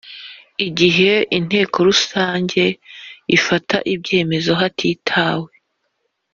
Gihe inteko rusange ifata ibyemezo hatitawe